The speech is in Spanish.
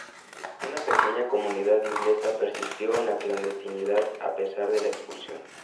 Una pequeña comunidad inglesa persistió en la clandestinidad a pesar de la expulsión.